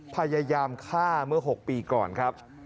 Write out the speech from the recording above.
พยายามฆ่าเมื่อ๖ปีก่อนครับ